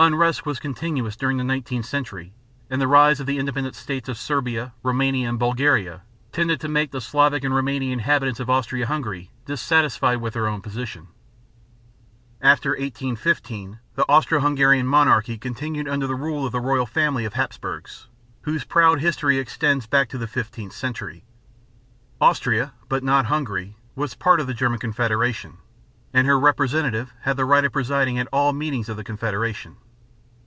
Unrest was continuous during the nineteenth century; and the rise of the independent states of Serbia, Roumania, and Bulgaria tended to make the Slavic and Roumanian inhabitants of Austria Hungary dissatisfied with their own position. After 1815 the Austro Hungarian Monarchy continued under the rule of the royal family of Hapsburgs, whose proud history extends back to the fifteenth century. Austria (but not Hungary) was part of the German Confederation, and her representative had the right of presiding at all meetings of the confederation.